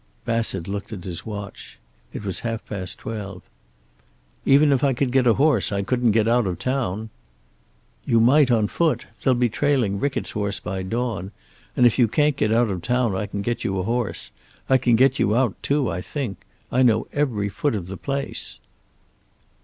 Bassett looked at his watch. It was half past twelve. "Even if I could get a horse I couldn't get out of the town." "You might, on foot. They'll be trailing Rickett's horse by dawn. And if you can get out of town I can get you a horse. I can get you out, too, I think. I know every foot of the place."